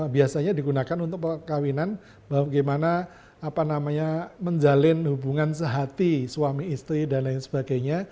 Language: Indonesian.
biasanya digunakan untuk perkawinan bagaimana menjalin hubungan sehati suami istri dan lain sebagainya